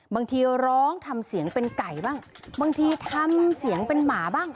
บางทีร้องทำเสียงเป็นไก่บ้างบางทีทำเสียงเป็นหมาบ้าง